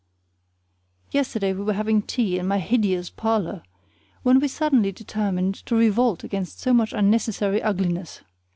Yesterday we were having tea in my HIDEOUS parlor when we suddenly determined to revolt against so much unnecessary ugliness.